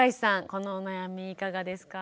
このお悩みいかがですか？